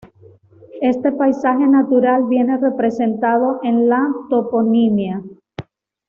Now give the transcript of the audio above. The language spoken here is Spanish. Este paisaje natural viene representado en la toponimia local.